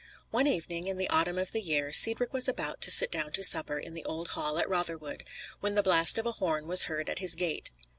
One evening, in the autumn of the year, Cedric was about to sit down to supper in the old hall at Rotherwood, when the blast of a horn was heard at his gate.